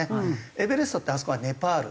エベレストってあそこはネパール。